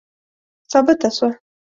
ثابته سوه.